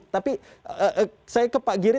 tapi saya ke pak giri